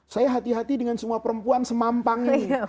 saya hati hati dengan semua perempuan semampang ini